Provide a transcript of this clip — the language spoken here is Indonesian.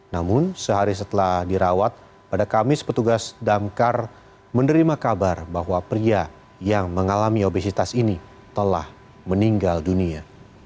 namun sehari setelah dirawat pada kamis petugas damkar menerima kabar bahwa pria yang mengalami obesitas ini telah meninggal dunia